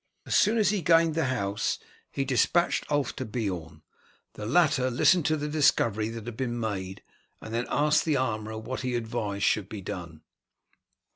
As soon as he gained the house he despatched Ulf to Beorn. The latter listened to the discovery that had been made, and then asked the armourer what he advised should be done.